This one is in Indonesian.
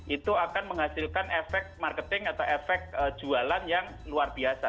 itu akan menghasilkan efek marketing atau efek jualan yang luar biasa